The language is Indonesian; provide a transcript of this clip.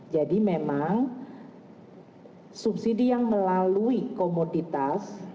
jadi memang subsidi yang melalui komoditas